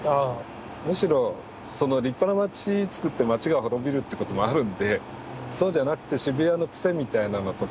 むしろその立派な街つくって街が滅びるってこともあるんでそうじゃなくて渋谷のクセみたいなのとか